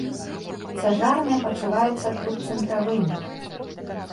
Цяжарныя пачуваюцца тут цэнтравымі.